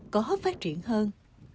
có phát triển hơn